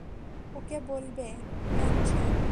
ওকে বলবে, অ্যানসন?